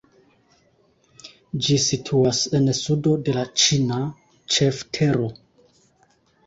Ĝi situas en sudo de la ĉina ĉeftero.